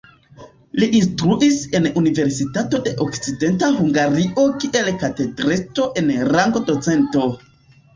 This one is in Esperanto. Li instruis en Universitato de Okcidenta Hungario kiel katedrestro en rango docento.